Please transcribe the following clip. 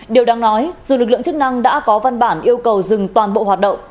điều đáng nói dù lực lượng chức năng đã có văn bản yêu cầu dừng toàn bộ hoạt động